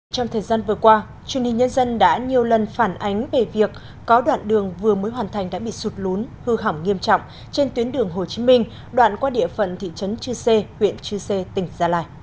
trong thời gian vừa qua truyền hình nhân dân đã nhiều lần phản ánh về việc có đoạn đường vừa mới hoàn thành đã bị sụt lún hư hỏng nghiêm trọng trên tuyến đường hồ chí minh đoạn qua địa phận thị trấn chư sê huyện chư sê tỉnh gia lai